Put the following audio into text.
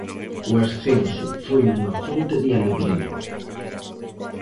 O ascenso foi unha fonte de alegría.